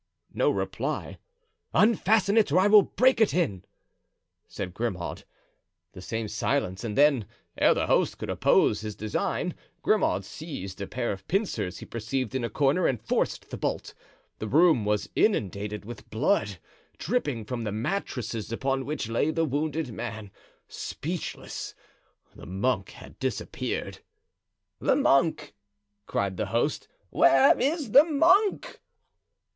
No reply. "Unfasten it, or I will break it in!" said Grimaud. The same silence, and then, ere the host could oppose his design, Grimaud seized a pair of pincers he perceived in a corner and forced the bolt. The room was inundated with blood, dripping from the mattresses upon which lay the wounded man, speechless; the monk had disappeared. "The monk!" cried the host; "where is the monk?"